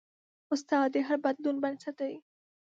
استاد د هر بدلون بنسټ دی.